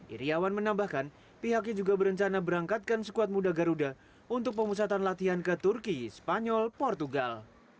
iryawan menambahkan pihaknya juga berencana berangkatkan skuad muda garuda untuk pemusatan latihan ke turki spanyol portugal